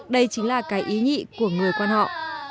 đây chính là cái ý nhị của người quan họ